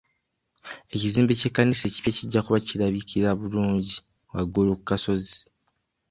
Ekizimbe ky'ekkanisa ekipya kijja kuba kirabikira bulungi waggulu ku kasozi.